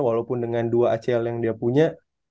walaupun dengan dua acl yang dia punya